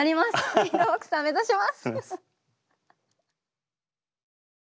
ビートボクサー目指します。